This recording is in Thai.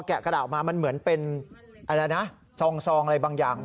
กระดาษออกมามันเหมือนเป็นอะไรนะซองอะไรบางอย่าง